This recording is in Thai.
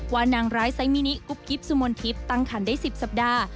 นางร้ายไซมินิกุ๊บกิ๊บสุมนทิพย์ตั้งขันได้๑๐สัปดาห์